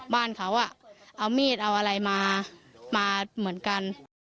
บ้านเขาเอามีดเอาอะไรมาเหมือนกัน